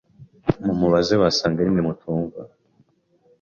Mumubaze wasanga arimwe mutumva